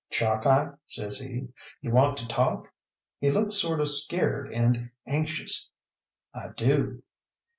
"Chalkeye," says he, "you want a talk?" He looked sort of scared and anxious. "I do."